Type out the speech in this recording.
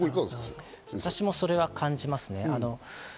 私もそれは感じますね。